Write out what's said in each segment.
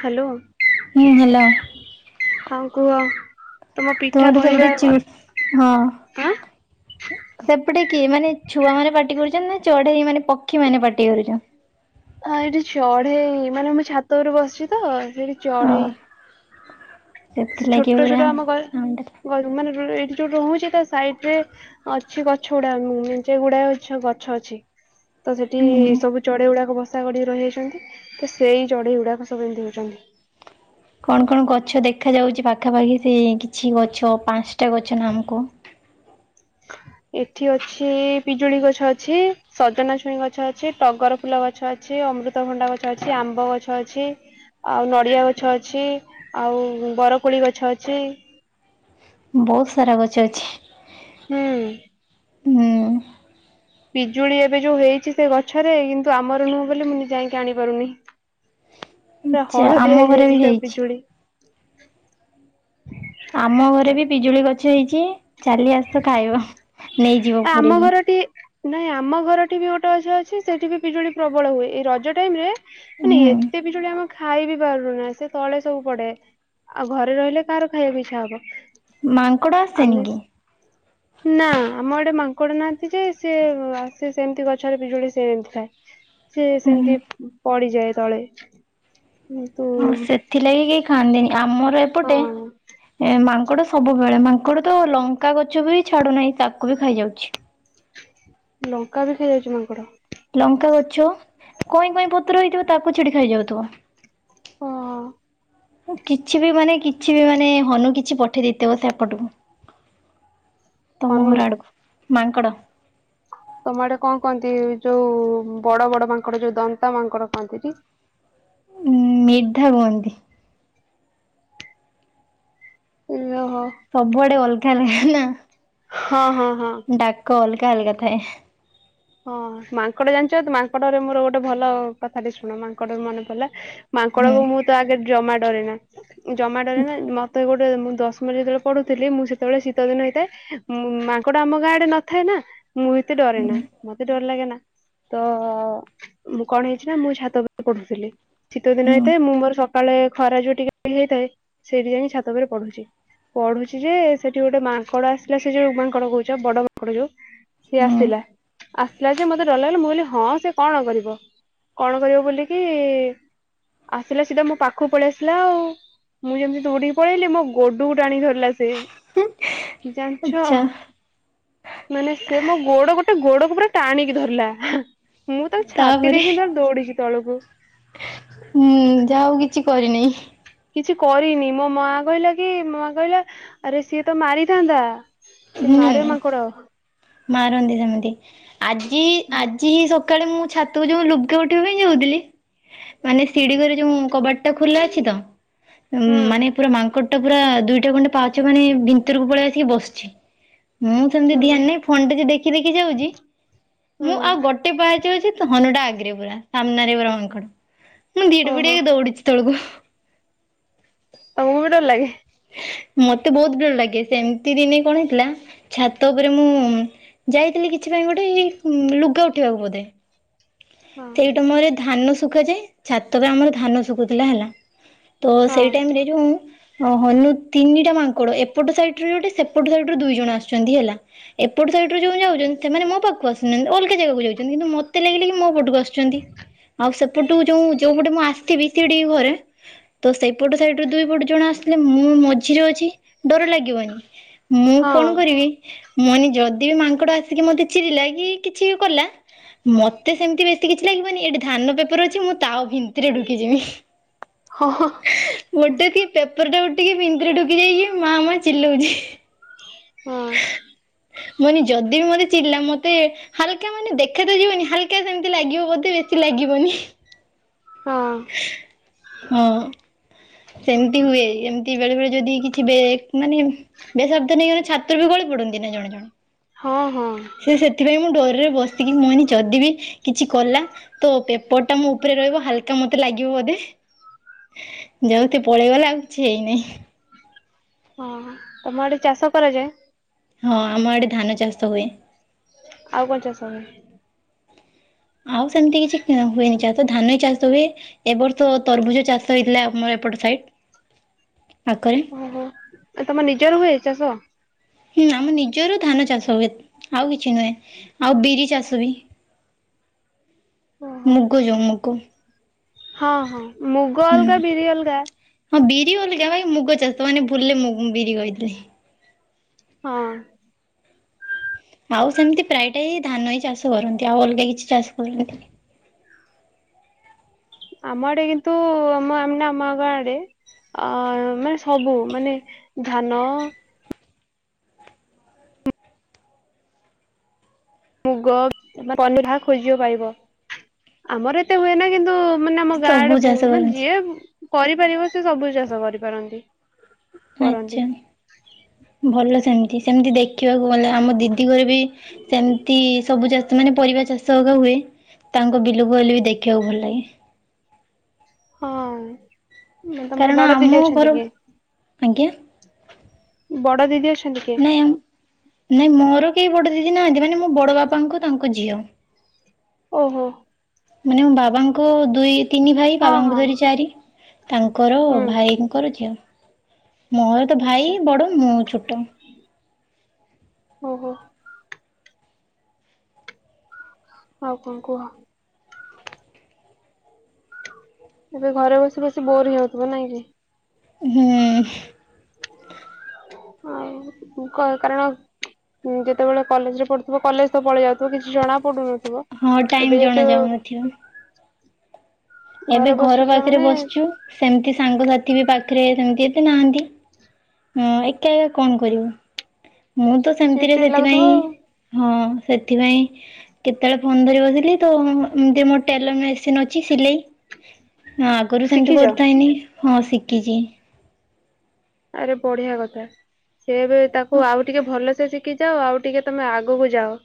Hello. ହୁଁ hello. ହଁ କୁହ। ତମ ପିଠା ତମର କହିବା ସେପଟେ ଆଁ ଚିଡ଼ ହଁ। ହଁ ସେପଟେ କିଏ ମାନେ ଛୁଆ ମାନେ ପାଟି କରୁଚନ୍ତି ନା ଚଢ଼େଇ ମାନେ ପକ୍ଷୀ ମାନେ ପାଟି କରୁଚ। ହଁ ଏଇଠି ଚଢେଇ ମାନେ ମୁଁ ଛାତ ଉପରେ ବସିଛି ତ ସେଇଠି ଓ ଚଢେଇ ସେଥିଲାଗି ଛୋଟ ପୁରା ଛୋଟ ଆମ ଘ ସାଉଣ୍ଡ ହେଲା। ଘର ମାନେ ଏଇଠି ଯୋଉ ରହୁଛି ତା ସାଇଟ୍ ରେ ଅଛି ଗଛ ଗୁଡ଼ା ମେଞ୍ଚେ ଗୁଡ଼ାଏ ଗଛ ଅଛି। ତ ସେଠି ହୁଁ। ସବୁ ଚଢ଼େଇ ଗୁଡାକ ବସା କରିକି ରହିଯାଇଚନ୍ତି, ତ ସେଇ ଚଢ଼େଇ ଗୁଡ଼ାକ ସବୁ ଏମିତି ହଉଛନ୍ତି। କଣ କଣ ଗଛ ଦେଖା ଯାଉଛି ପାଖାପାଖି ସେ କିଛି ଗଛ ପାଞ୍ଚଟା ଗଛ ନା ଆମକୁ। ଏଠି ଅଛି ପିଜୁଳି ଗଛ ଅଛି। ସଜନା ଛୁଇଁ ଗଛ ଅଛି, ଟଗର ଫୁଲ ଗଛ ଅଛି, ଅମୃତଭଣ୍ଡା ଗଛ ଅଛି, ଆମ୍ବ ଗଛ ଅଛି। ଆଉ ନଡ଼ିଆ ଗଛ ଅଛି, ଆଉ ବରକୋଳି ଗଛ ଅଛି। ବହୁତ ସାରା ଗଛ ଅଛି। ହୁଁ। ହୁଁ ପିଜୁଳି ଏବେ ଯୋଉ ହେଇଛି ସେ ଗଛରେ କିନ୍ତୁ ଆମର ନୁହଁ ବୋଲି ମୁଁ ନିଜେ ଯାଇକି ଆଣିପାରୁନି। ପୁରା ଯା ହଳଦିଆ ଆମ ଘରେ ହେଇଯାଇଛି ବି ସେ ହେଇଛି। ପିଜୁଳି ଆମ ଘରେ ବି ପିଜୁଳି ଗଛ ହେଇଛି ଚାଲି ଆସ ଖାଇବ ନେଇ ଆମ ଘରଟି ନାଇଁ ଆମ ଘରଠି ବି ଗୋଟେ ଗଛ ଅଛି ସେଠି ବି ପିଜୁଳି ପ୍ରବଳ ହୁଏ ଏଇ ରଜ ଟାଇମ ରେ ମାନେ ହୁଁ ଏତେ ପିଜୁଳି ଆମ ଖାଇ ବିି ପାରୁନା ସେ ତଳେ ସବୁ ପଡେ ଆଉ ଘରେ ରହିଲେ କାହାର ଖାଇବାକୁ ଇଚ୍ଛା ହବ। ମାଙ୍କଡ ଆସେନି ଆମେ କି? ନାଁ। ଆମ ଆଡେ ମାଙ୍କଡ ନାହାଁନ୍ତି ଯେ ସିଏ ସେ ସେମତି ଗଛରେ ପିଜୁଳି ସେମିତି ଥାଏ ‌। ସେ ହୁଁ ସେମିତି ପଡ଼ିଯାଏ ତଳେ କିନ୍ତୁ ଥିଲେ ବି କେହି ଖାଆନ୍ତିନି ଆମର ଏପଟେ ହଁ ମାଙ୍କଡ ସବୁବେଳେ ମାଙ୍କଡ ତ ଲଙ୍କା ଗଛ ବି ଛାଡୁନାହିଁ ତାକୁ ବି ଖାଇଯାଉଛି। ଲଙ୍କା ବି ଖାଇ ଯାଉଛି ମାଙ୍କଡ। ଲଙ୍କା ଗଛ କଇଁ କଇଁ ପତ୍ର ହେଇଥିବ ତାକୁ ଛିଡି ଖାଇଯାଉଥିବ। ହଁ। ମୁଁ କିଛି ବି ମାନେ କିଛି ବି ମାନେ ହନୁ କିଛି ପଠେଇ ଦେଇଥିବ ସେପଟୁ କୁ ତମ ଘର ଆଡକୁ ମାଙ୍କଡ ତମେ ଆଡେ କଣ କହନ୍ତି ଯୋଉ ବଡ ବଡ ମାଙ୍କଡ ଯୋଉ ଦନ୍ତା ମାଙ୍କଡ କହନ୍ତି ଟି? ଉଁ ମୁଧା କୁହନ୍ତି। ଇଲ ହ। ସବୁ ଆଡେ ଅଲଗା ଅଲଗା ନା ହଁ ହଁ ହଁ। ଡାକ ଅଲଗା ଅଲଗା ଥାଏ। ହଁ ମାଙ୍କଡ଼ ଜାଣିଚ ମାଙ୍କଡରେ ମୋର ଗୋଟେ ଭଲ କଥାଟେ ଶୁଣ ମାଙ୍କଡରୁ ମନେ ପଡିଲା। ମାଙ୍କଡ ହୁଁ କୁ ମୁଁ ତ ଆଗ ଜମା ଡରେନା ଜମା ଡରେନା ମତେ ଗୋ ମୁଁ ଦଶମରେ ଯେତେବେଳେ ପଢୁଥିଲି ମୁଁ ସେତେବେଳେ ଶୀତ ଦିନ ହେଇଥାଏ ମୁଁ ମାଙ୍କଡା ଆମ ଗାଁ ଆଡେ ନଥାଏ ନା। ମୁଁ ହିିତେ ଡରେ ନା। ହୁଁ ମତେ ଡର ଲାଗେ ନା ତ ମୁଁ କଣ ହେଇଚି ନା ମୁଁ ଛାତ ଉପରେ ପଢୁଥିଲି। ଶୀତ ଦିନ ହୁଁ ହେଇଥାଏ ମୁଁ ମୋର ସକାଳେ ଖରା ଯୋଉ ଟିକେ ହେଇଯାଇଥାଏ ସେଇଠି ଯାଇ ଛାତ ଉପରେ ପଢୁଚି। ପଢୁଚି ଯେ ସେଠି ଗୋଟେ ମାଙ୍କଡ ଆସିଲା ସେ ଯୋଉ ମାଙ୍କଡ କହୁଚ ବଡ ମାଙ୍କଡ ଯୋଉ। ସିଏ ହୁଁ ଆସିଲା। ଆସିଲା ଯେ ମତେ ଡର ଲାଗିଲା ମୁଁ କହିଲି ହଁ ସେ କଣ କରିବ କଣ କରିବ ବୋଲି କି ଆସିଲା ସିଧା ମୋ ପାଖକୁ ପଲେଇ ଆସିଲା ଆଉ। ମୁଁ ଯେମିତି ଦୋଡିକି ପଳେଇଲି ମୋ ଗୋଡକୁ ଟାଣି ଧରିଲା ସେ। ଜାଣିଚ ଆଚ୍ଛା ମାନେ ସେ ମୋ ଗୋଡକୁ ସେ ଗୋଡକୁ ପୁରା ଟାଣିକି ଧରିଲା ମୁଁ ତାକୁ ଛାଟି ଦେଇକି ସିଧା ଦୌଡିଛି ତଳକୁ। ମୁଁ ଯା ହଉ କିଛି କରିନି। କିଛି କରିନି ମୋ ମା କହିଲା କି ମା କହିଲା ଆରେ ସିଏ ତ ମାରିଥାନ୍ତା। ସେ ମାରେ ହୁଁ। ମାଙ୍କଡ। ମାରନ୍ତି ସେମିତି ଆଜି ହୁଁ ଆଜି ହିଁ ସ ସକାଳେ ମୁଁ ଛାତକୁ ଯୋଉ ଲୁଗା ଉଠେଇ ବା ପାଇଁ ଯାଉଥିଲି। ମାନେ ସିଡି ଘରେ ଯଉ କବାଟ ଟା ଖୋଲା ଅଛି ତ। ଉଁ ମାନେ ହୁଁ ପୁରା ମାଙ୍କଡ଼ ଟା ପୁରା ଦୁଇଟା ଖଣ୍ଡେ ପାହାଞ୍ଚ ମାନେ ଭିତରକୁ ପଲେଇ ଆସିକି ବସିଚି। ମୁଁ ସେମିତି ଧ୍ୟାନ ନାହିଁ ଫୋନ୍ ଟା କୁ ଦେଖି ଦେଖି ଯାଉଚି। ମୁଁ ହୁଁ ଆଉ ଗୋଟେ ପାହାଞ୍ଚ ଅଛି ତ ହନୁ ଟା ପୁରା ଆଗରେ ପୁରା ସାମ୍ନା ରେ ପୁରା ମାଙ୍କଡ଼। ମୁଁ ଧିଡି ଫିଡି ଓହୋ ହେଇକି ଦୌଡିଚି ତଳକୁ। ତମକୁ ବି ଡ଼ର ଲାଗେ? ମତେ ବହୁତ ଡର ଲାଗେ ସେମିତି ଦିନେ କଣ ହେଇଥିଲା। ଛାତ ଉପରେ ମୁଁ ଯାଇଥିଲି କି କିଛି ପାଇଁ ଗୋଟେ ଲୁଗା ଉଟେଇ ବାକୁ ବେଧେ ହଁ ସେଇଟେ ଆମର ଧାନ ସୁଖା ଯାଏ। ଛାତ ରେ ଆମର ଧାନ ସୁଖୁଥିଲା ହେଲା ତ ହଁ। ସେଇ ଟାଇମ ରେ ଏ ଯୋଉ। ଓ ହନୁ ତିନିଟା ମାଙ୍କଡ ଏପଟେ ସାଇଟ ରୁ ଗୋଟେ ସେପଟେ ସାଇଡ ରୁ ଦୁଇ ଜଣ ଆସିଚନ୍ତି ହେଲା। ଏପଟୁ ସାଇଡ଼ି ରୁ ଯୋଉ ଯାଉଚନ୍ତି ସେମାନେ ମୋ ପାଖକୁ ଆସୁନାହାନ୍ତି ଅଲଗା ଯାଗା କୁ ଯାଉଚନ୍ତି କିନ୍ତୁ ମତେ ଲାଗିଲା କି ମୋ ପୋଟୁ। ପୋଟକୁ ଆସୁଚନ୍ତି ଆଉ ସେପଟୁ ଯେଉଁ ଯେଉଁ ପଟୁ ମୁଁ ଆସିଥିବି। ସିଡି ଘରେ ତ ସେପଟ ସାଇଡ ରୁ ଦୁଇ ପୋଟ ଜଣ ହେଲେ ମୁଁ ମଝିରେ ଅଛି ଡ଼ର ଲାଗିବନି ମୁଁ ହଁ କଣ କରିବି। ମନି ଯଦି ବି ମାଙ୍କଡ ଆସିକି ମତେ ଚିରିଲା କି କିଛି ବି କଲା। ମତେ ସେମିତି ବେଶି କିଛି ଲାଗିବନି ଏଠି ଧାନ ପେପର୍ ଅଛି ତା ଭିତରେ ଡୁକି ଯିବି। [unintelligible] ହଁ ହୋ। ଗୋଟେ କି ପେପର୍ ଟା ଉଠିକି ପିଧିରେ ଡୁକି ଯାଇକି ମା ମା ଚିଲଉଚି। ହଁ। ମନି ଯଦି ବି ମତେ ଚିଡ଼ିଲା ମତେ ହାଲକା ମାନେ ଦେଖା ତ ଜୀବନୀ ହାଲକା ସେମତି ଲାଗିବ ବୋଧେ ବେଶି ଲାଗିବନି। ହଁ ହଁ। ସେମିତି ହୁଏ ଏମିତି ବେଳେ ବେଳେ ଯଦି କିଛି ବେକ୍ ମାନେ [unintelligible] ଛାତ ରୁ ଗଳି ପଡ଼ନ୍ତି ନା ଜଣେ ଜଣେ। ହଁ ହଁ। ସେ ସେଥିପାଇଁ ମୁଁ ଡରେ ବସିକି ମନି ଯଦି ବି କିଛି କଲା। ତ ପେପର୍ ଟା ମୋ ଉପରେ ରହିବ ହାଲକା ମତେ ଲାଗିବ ବୋଧେ। ଯେମିତି ପଲେଇଗଲା ଆଉ କିଛି ହେଇନି। ହଁ ହଁ ତମ ଆଡ଼େ ଚାଷ କରାଯାଏ? ହଁ ଆମ ଆଡ଼େ ଧାନ ଚାଷ ହୁଏ। ଆଉ କଣ ଚାଷ ହୁଏ? ଆଉ ସେମିତି କିଛି କିଣା ହୁଏନି ଚାଷ ଧାନ ହିଁ ଚାଷ ହୁଏ। ଏ ବର୍ଷ ତରଭୁଜ ଚାଷ ହେଇଥିଲା ଆମର ଏପଟ ସାଇଟ୍। ଓ ହୋ ତମର ନିଜର ହୁଏ ଚାଷ? ହୁଁ ଆମର ନିଜର ଧାନ ଚାଷ ହୁଏ ଆଉ କିଛିନୁହେଁ ଆଉ ବିରି ଚାଷ ବି। ଓହୋ ମୁଗ ଯୋଉ ମୁଗ। ହଁ ହଁ ମୁଗ ହୁଁ। ଅଲଗା ବିରି ଅଲଗା। ହଁ ବିରି ଅଲଗା ଭାଇ ମୁଗ ଚାଷ ମାନେ ଭୁଲ୍ ରେ ମୁଗ ବିରି କହିଦେଲି। ହଁ। ଆଉ ସେମିତି ପ୍ରାୟଟା ହିଁ ଧାନ ହିଁ ଚାଷ କରନ୍ତି ଆଉ ଅଲଗା କିଛି ଚାଷ କରନ୍ତି। ଆମ ଆଡ଼େ କିନ୍ତୁ ଆମ ଆମେ ନା ଆମ ଆଗ ଆଡ଼େ। ଆଁ ମାନେ ସବୁ ମାନେ ଧାନ। ମୁଗ ପନିଭା ଯାହା ଖୋଜିବ ପାଇବା ଆମର ଏତେ ହୁଏନା କିନ୍ତୁ ମାନେ ଆମ ଗାଁ ସବୁ ଆଡେ ବହୁ ଚାଷ ମାନେ କରନ୍ତି ଯିଏ କରି ପାରିବ ସେ ସବୁ ଚାଷ କରି ପାରନ୍ତି। ଆଛା ଭଲ ସେମିତି ସେମିତି ଦେଖିବାକୁ ଗଲେ ଆମ ଦିଦି ଘରେ ବି ସେମିତି ସବୁ ଚାଷ ମାନେ ପରିବା ଚାଷ ଆକା ହୁଏ। ତାଙ୍କୁ ବିଲ କୁ ଗଲେ ବି ଦେଖିବାକୁ ଭଲ ଲାଗେ। ହଁ କାରଣ ତମର ବଡ ଆମ ଦିଦି ଘର ଅଛନ୍ତି କି? ଆଜ୍ଞା। ବଡ ଦିଦି ଅଛ ନାଇଁ ନାଇଁ ମୋର କେହି ବଡ ଦିଦି ନାହାନ୍ତି ମାନେ ମୋ ବଡ ବାପାଙ୍କ ତାଙ୍କ ଝିଅ। ଓହୋ। ମାନେ ମୋ ବାବାଙ୍କ ଦୁଇ ତିନି ଭାଇ ହଁ ହଁ ବାବାଙ୍କୁ ଧରି ଚାରି। ତାଙ୍କର ହୁଁ ଭାଇଙ୍କର ଝିଅ। ମୋର ତ ଭାଇ ଆଚ୍ଛା ବଡ ମୁଁ ଛୋଟ। ଓହୋ। ଆଉ କଁ କୁହ? ଏବେ ଘରେ ବସି ବସି ବୋର ହେଇଯାଉଥିବ ନାଇଁ କି? ହୁଁ। ଆଉ କ କାରଣ ହୁଁ ଯେତେବେଳେ କଲେଜରେ ପଢୁଥିବ କଲେଜ ତ ପଳେଇ ଯାଉଥିବ କିଛି ଜଣା ପଡୁନଥିବ। ହଁ ଟାଇମ୍ ଏବେ ଯେତେ ଜଣା ଯାଉନଥିବ। ଏବେ ଘରେ ଘର ବସୁଛ ପାଖରେ ମାନେ ବସିଚୁ ସେମତି ସାଙ୍ଗସାଥି ବି ପାଖରେ ସେମିତି ଏତେ ନାହାନ୍ତି। ହଁ ଏକା ଏକା କଣ କରିବ, ମୁଁ ତ ଚିଡ ସେମିତିରେ ଚିଡ ଲାଗୁଥିବ ସେଥିପାଇଁ ଆଉ। ହଁ ସେଥିପାଇଁ କେତେବେଳେ ଫୋନ୍ ଧରି ବସିଲି ତ ଏମିତି ମୋ ଟେଲର ମେସିନ ଅଛି ସିଲେଇ ହଁ ଆଗରୁ ସେମିତି ଶିଖିଛ କରୁଥାଏନି ହଁ ଶିକିଚି। ଆରେ ବଢିଆ କଥା ସେଏ ଏବେ ତାକୁ ଆଉ ଟିକେ ଭଲସେ ଶିକି ଯାଅ ଆଉ ଟିକେ ତମେ ଆଗକୁ ଯାଅ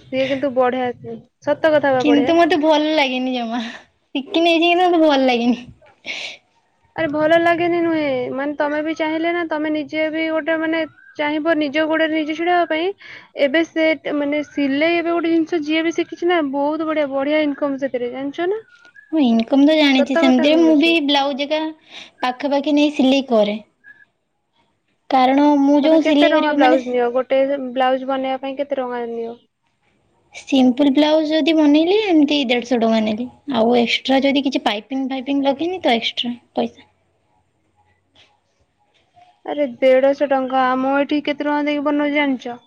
ସିଏ କିନ୍ତୁ ବଢିଆସେ ସତ କଥା କିନ୍ତୁ ମତେ ଭଲ ଲାଗେନି ଜମା ଶିକିନେଇଚି କିନ୍ତୁ ମତେ ଭଲ ଲାଗେନି। ଆରେ ଭଲ ଲାଗେନି ନୁହେଁ ମାନେ ତମେ ବି ଚାହିଁଲେ ନା ତମେ ନିଜେ ବି ଗୋଟେ ମାନେ ଚାହିଁବ ନିଜ ଗୋଡରେ ନିଜେ ଛିଡା ହବା ପାଇଁ ଏବେ ସେ ମାନେ ସିଲେଇ ଏବେ ଗୋଟେ ଜିନିଷ ଯିଏ ବି ଶିଖିଚି ନା ବହୁତ ବଢିଆ ବଢିଆ ଇନକମ ସେ ଥିରେ ଜାଣିଚ ନା? ମୁଁ ଇନକମ ତ ଜାଣିଚି ସତ କଥା ସେମିତି ମୁଁ ବି କହୁଛି ବ୍ଲାଉଜହେକା ପାଖାପାଖି ନେଇ ସିଲେଇ କରେ। କାରଣ ମୁଁ ତମେ ଯୋଉ କେତେ ସିଲେଇ ଟଙ୍କା କରିବି ମାନେ ବ୍ଲାଉଜ ନିଅ ଗୋଟେ ବ୍ଲାଉଜ ବନେଇବା ପାଇଁ କେତେ ଟଙ୍କା ନିଅ? ସିମ୍ପଲ ବ୍ଲାଉଜ ଯଦି ବନେଇଲି ଏମିତି ଦେଢଶହ ଟଙ୍କା ନେଲି ଆଉ ଏକ୍ସଟ୍ରା ଯଦି କିଛି ପାଇ ପିନ୍ ଫାଇପିନ୍ ଲାଗିନି ତ ଏକ୍ସଟ୍ରା ପଇସା। ଆରେ ଦେଢଶହ ଟଙ୍କା ଆମ ଏଇଠି କେତେ ଟଙ୍କା ଦେଇକି ବନଉଚି ଜାଣଚ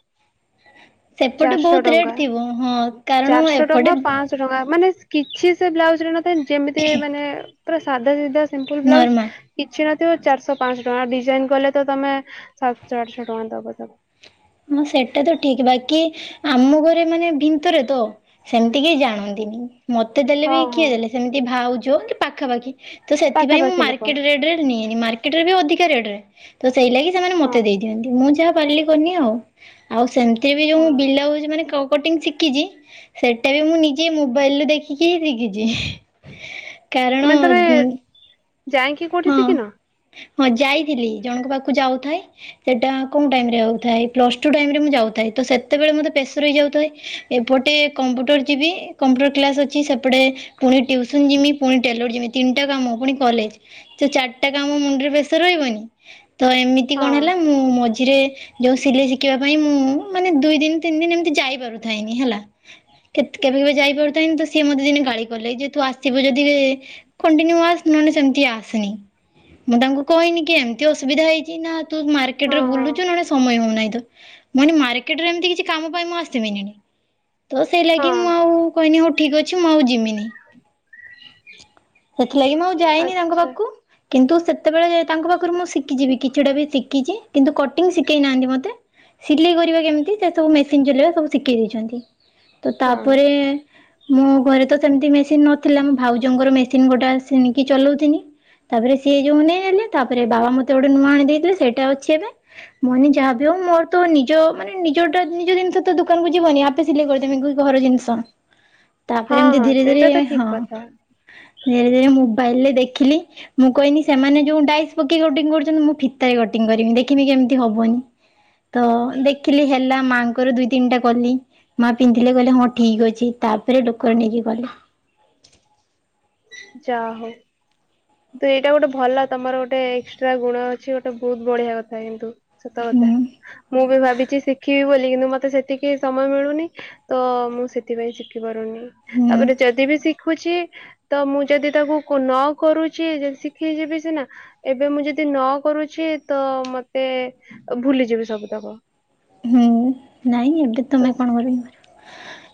ସେପଟେ ଚାରିଶ ବହୁତ ଟଙ୍କା ରେଟ୍ ଥିବ ହଁ କାରଣ ଚାରିଶ ଟଙ୍କା ଏପଟେ ପାଁଆ ଶ ଟଙ୍କା ମାନେ କିଛି ସେ ବ୍ଲାଉଜରେ ନଥାଏ ଯେମିତି ମାନେ ପୁରା ସାଧା ସିଧା ସିମ୍ପୁଲ ବ୍ଲାଉଜ ନର୍ମାଲ କିଛି ନଥିବ ଚାରିଶ ପାଆଁଶ ଟଙ୍କା ଡିଜାଇନ କଲେ ତମେ ସାତଶ ଆଠଶ ଟଙ୍କା ଦବ ତାକୁ। ହଁ ସେଟା ତ ଠିକ ବାକି ଆମ ଘରେ ମାନେ ମ୍ଭିତରେ ତ ସେମିତି କେହି ଜାଣନ୍ତିନି ମତେ ଦେଲେ ବି ହଁ କିଏ ହଁ ଦେଲେ ସେମିତି ଭାଉଜ ଏମିତି ପାଖାପାଖି ତ ସେଥିପାଇଁ ମୁଁ ପାଖାପାଖି ଲୋକ ମାର୍କେଟ ରେଟ ରେ ନିଏନି ମାର୍କେଟ ରେ ବି ଅଧିକା ରେଟ ରେ ତ ସେଇ ଲାଗି ସେମାନେ ହଁ ମତେ ଦେଇ ଯେମିତି ମୁଁ ଯାହା ପାରିଲି କନି ଆଉ ଆଉ ସେମିତିରେ ବି ଯୋଉ ହଁ ବିଲାଉଜୁ ମାନେ କଟିଙ୍ଗି ସି ଶିଖିଚି ସେଇଟା ବି ମୁଁ ନିଜେ ମୋବାଇଲୁ ଦେଖିକି ହିଁ ଶିଖିଚି। ମାନେ ତମେ ଯାଇକି କୋଉଠି ହଁ। ଶିଖିନ? ହଁ ଯାଇଥିଲି ଜଣଙ୍କ ପାଖକୁ ଯାଉଥାଏ ସେଇଟା କୋଉ ଟାଇମ ରେ ହଉଥାଏ ପ୍ଲସ ଟୁ ଟାଇମ ରେ ମୁଁ ଯାଉଥାଏ, ତ ସେତେବେଳେ ମତେ ପ୍ରେଶର ହେଇ ଯାଉଥାଏ। ଏପଟେ କମ୍ପୁଟର ଯିବି କମ୍ପୁଟର କ୍ଲାସ୍ ଅଛି ସେପଟେ ପୁଣି ଟ୍ୟୁସନ ଯିମି ପୁଣି ଟେଲର ଜିମି ତିନିଟା କାମ ପୁଣି କଲେଜ। ତ ଚାରିଟା କାମ ମୁଣ୍ଡରେ ପ୍ରେସର ରହିବନି ତ ଏମିତି ହଁ କଣ ହେଲା ମୁଁ ମଝିରେ ଯୋଉ ସିଲେଇ ଶିଖିବା ପାଇଁ ମୁଁ ମାନେ ଦୁଇ ଦିନ ତିନି ଦିନ ଏମିତି ଯାଇପାରୁଥାଏନି ହେଲା କେ କେବେ କେବେ ଯାଇପାରୁଥାନି ତ ସିଏ ମୋତେ ଦିନ ଗାଳି କଲେ ଯେ ତୁ ଆସିବ ଯଦି କଣ୍ଟିନ୍ୟୁ ଆସ ନହଲେ ସେମତି ଆସନି ମୁଁ ତାଙ୍କୁ କହିନି କି ଏମିତି ଅସୁବିଧା ହେଇଚି ନା ତୁ ହଁ ମାର୍କେଟରେ ହଁ ବୁଲୁଚୁ ନହେ ସମୟ ହଉନାହିଁ ତ ମାନେ ମାର୍କେଟରେ ଏମିତି କିଛି କାମ ପାଇଁ ମୁଁ ଆସିିମିନି ତ ସେଇ ଲାଗି ହଁ ମୁଁ ଆଉ କହନି ହଉ ଠିକ ଅଛି ମୁଁ ଆଉ ଯମିନି ସେଥିଲାଗି ମୁଁ ଆଉ ଯାଇନି ତାଙ୍କ ଆଚ୍ଛା ପାଖକୁ କିନ୍ତୁ ସେତେବେଳେ ତାଙ୍କ ପାଖରୁ ମୁଁ ଶିଖିଚିବି କିଛିଟା ବି ଶିଖିଛି କିନ୍ତୁ କଟିଂ ଶିଖେଇ ନାହାନ୍ତି ମତେ ସିଲେଇ କରିବା କେମିତି ସେ ସବୁ ମେସିନ ଚଲେଇବା ସବୁ ଶିଖେଇ ଦେଇଚନ୍ତି ତ ହଁ ତାପରେ ମୋ ଘରେ ତ ସେମିତି ମେସିନ ନଥିଲା ମୋ ଭାଉଜଙ୍କର ମେସିନ ଗୋଟେ ଆସି କି ଚଲଉଥଥିଲି ତାପରେ ସିଏ ଯୋଉ ନେଇ ଆଲେ ତାପରେ ବାବା ମତେ ଗୋଟେ ନୂଆ ଆଣି ଦେଇଥିଲେ ସେଇଟା ଅଛି ଏବେ ମନେ ଯାହାବି ଆଉ ମୋର ତ ନିଜ ମାନେ ନିଜଟା ନିଜ ଜିନିଷ ତ ଦୋକାନ କ ଯିବନି ଆ ସିଲେଇ କରିଦେମି ଘର ଜିନିଷ ତାପରେ ହଁ ଏମିତି ହଁ ଧୀରେ ଧୀରେ ସେଇଟା ତ ଠିକ ହଁ କଥା ଧୀରେ ଧୀରେ ମୋବାଇଲରେ ଦେଖିଲି। ମୁଁ କଇନି ସେମାନେ ଯୋଉ ଡାଇ ପକେଇ କଟିଂ କରୁଛନ୍ତି ମୁଁ ଫିତାରେ କଟିଂ କରିବି ଦେଖିବି କେମିତି ହବନି। ତ ଦେଖିଲି ହେଲା ମାଙ୍କର ଦୁଇ ତିନିଟା କଲି। ମା ପିନ୍ଧିଲେ କହିଲେ ହଁ ଠିକ ଅଛି ତାପରେ ଲୋକର ନେଇକି କଲି। ଯା ହଉ। ତ ଏଇଟା ଗୋଟେ ଭଲ ତମର ଗୋଟେ ଏକ୍ସଟ୍ରା ଗୁଣ ଅଛି ଗୋଟେ ବହୁତ ବଢିଆ କଥା କିନ୍ତୁ। ସତ କଥା ହୁଁ ମୁଁ ବି ଭାବିଚି ଶିଖିବି ବୋଲି କିନ୍ତୁ ମତେ ସେତିକି ସମୟ ମିଳୁନି। ତ ମୁଁ ସେଥିପାଇଁ ଶିଖିପାରୁନି। ହୁଁ। ଯଦି ବି ଶିଖୁଛି। ତ ମୁଁ ଯଦି ତାକୁ ନ କରୁଛି ଯଦି ଶିଖି ଯିବି ସିନା। ଏବେ ମୁଁ ଯଦି ନ କରୁଛି ତ ମତେ ଭୁଲିଯିବି ସବୁ ତକ। ହୁଁ ନାଇଁ ଏବେ ତ ତମେ କଣ କରି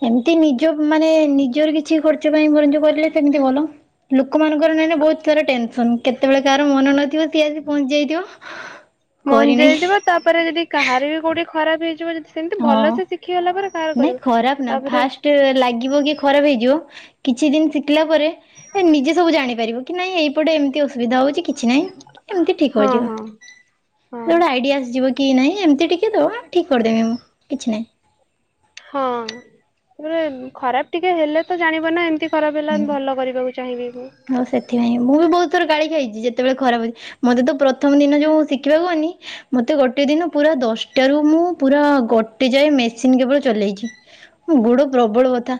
ଏମିତି ନିଜ ମାନେ ନିଜର କିଛି ଖର୍ଚ୍ଚ ପାଇଁ [unintelligible] କରିଲେ ସେମିତି ଭଲ ଲୋକମାନଙ୍କର ନାଇଁ ନା ବହୁତ ସାରା ଟେନସନ କେତେବେଳେ କାହାର ମନ ନଥିବ ସିଏ ଆସି ପହଞ୍ଚି ଯାଇଥିବ। କରିନେଇ ମଞଜାଇଥିବ ତାପରେ ଯଦି କାହାର ବି କୋଉଠି ଖରାପ ହେଇଯିବ ଯଦି ସେମିତି ହଁ ଭଲ ସେ ଶିଖିଗଲା ପରେ କାହାର ନାଇଁ କରିବ ଖରାପ ନା ତାପରେ ଫାଷ୍ଟ ଲାଗିବ କି ଖରାପ ହେଇଯିବ କିଛି ଦିନ ଶିଖିଲା ପରେ ଏ ନିଜେ ସବୁ ଜାଣି ପାରିବ କି ନାଇଁ ଏଇପଟେ ଏମତି ବିଧା ହଉଛି କିଛି ନାହିଁ ଏମତି ଠିକ ହଁ ହଉଯିବ ହଁ ହଁ ଗୋଟେ ଆଇଡିଆ ଆସିଯିବ। କି ନାହିଁ ଏମିତି ଟିକିଏ ଦବା ଠିକ୍ କରିଦେବି ମୁଁ କିଛି ନାହିଁ। ହଁ ତାପରେ ଖରାପ ଟିକେ ହେଲେ ତ ଜାଣିବ ନା ଏମତି ଖରାପ ହେଲା ଭଲ କରିବାକୁ ଚାହିଁବି ମୁଁ। ହଉ ସେଥିପାଇଁ ମୁଁ ବି ବହୁତ ଥର ଗାଳି ଖାଇଛି ଯେତେବେଳେ ଖରାପ ହଉଛି ମତେ ତ ପ୍ରଥମ ଦିନ ଯୋଉ ଶିଖିବାକୁ ଗଲି। ମତେ ଗୋଟେ ଦିନ ପୁରା ଦଶଟା ରୁ ମୁଁ ପୁରା ଗୋଟେ ଯାଏ ମେସିନ କେବଳ ଚଲେଇଛି। ମୋ ଗୋଡ ପ୍ରବଳ ବଥା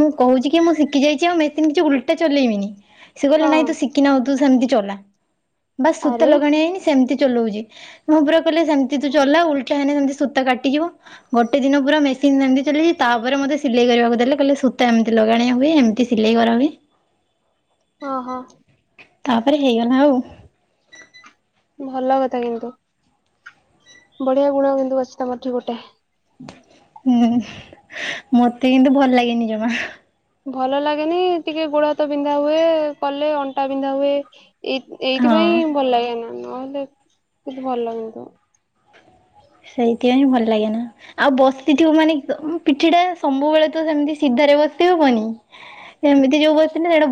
ମୁଁ କହୁଛି କି ମୁଁ ଶିଖି ଯାଇଛି ଆଉ ମେସିନ୍ କିଛି ଉଲଟା ଚଲେଇବିନି। ସେ କହିଲେ ନାଇଁ ହଁ ତୁ ଶିଖିନାଉ ତୁ ସେମିତି ଚଲା ବାସ ସୂତା ଆରେ ଲଗାଣ ହେଇନି ସେମିତି ଚଲଉଛି। ମୁଁ ପୁରା କହିଲେ ସେମତି ତୁ ଚଲା ଉଲଟା ହେଲେ ସେମିତି ସୂତା କାଟିଯିବ ଗୋଟେ ଦିନ ପୁରା ମେ [unintelligible] ତାପରେ ମୋତେ ସିଲେଇ କରିବାକୁ ଦେଲେ କହିଲେ ସୂତା ଏମିତି ଲଗାଣିଆ ହୁଏ ଏମିତି ସିଲେଇ କରାହୁଏ। ଓହୋ। ତାପରେ ହେଇଗଲା ଆଉ। ଭଲ କଥା କିନ୍ତୁ ବଢିଆ ଗୁଣ କିନ୍ତୁ ଅଛି ତମର ଠି ଗୋଟେ। ହୁଁ ମତେ କିନ୍ତୁ ଭଲ ଲାଗେନି ଜମା। ଭଲ ଲାଗେନି ଟିକେ ଗୋଡ ହାତ ବିନ୍ଧା ହୁଏ କଲେ ଅଣ୍ଟା ବିନ୍ଧା ହୁଏ। ଏଇ ହଁ। ଏଇଥିପାଇଁ ଭଲ ଲାଗେ ନା ନହେଲେ ଭଲ କିନ୍ତୁ। ସେଇଥିପାଇଁ ହିଁ ଭଲ ଲାଗେ ନା। ଆଉ ବସିଥିବ ମାନେ ପିଠି ଟା ସବୁବେଳେ ତ ସେମିତି ସିଧାରେ ବସି ହବନି। ଏମିତି ଯୋଉ ବସିଲେ ହେଡୁ